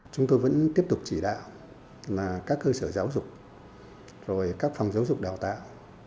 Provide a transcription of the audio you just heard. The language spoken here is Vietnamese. chúng tôi vẫn tiếp tục chỉ đạo là các cơ sở giáo dục các phòng giáo dục đào tạo